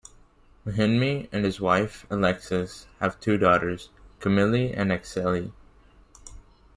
Mahinmi and his wife, Alexis, have two daughters, Camille and Axelle.